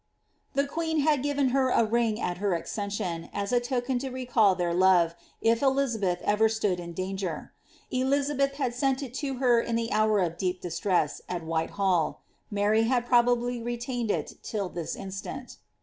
The queen had given her a ring at by aftcessim inken to recall their Inve, if Elixaheth ever atood in danger. EliXHb<>iq bad sent it to her in the hour a( deep distress, at VVhiichull. Mary hwi prolmbly retained it till this instant.